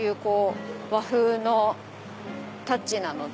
和風のタッチなので。